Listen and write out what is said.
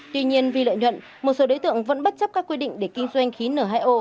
tuy nhiên vì lợi nhuận một số đối tượng vẫn bất chấp các quy định để kinh doanh khí n hai o